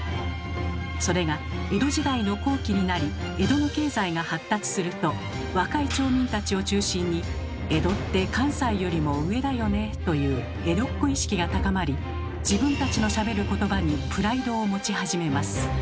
それが江戸時代の後期になり江戸の経済が発達すると若い町民たちを中心に「江戸って関西よりも上だよね」という江戸っ子意識が高まり自分たちのしゃべる言葉にプライドを持ち始めます。